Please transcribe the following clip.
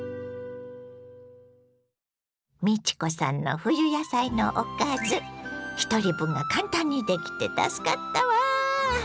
美智子さんの冬野菜のおかずひとり分が簡単にできて助かったわ。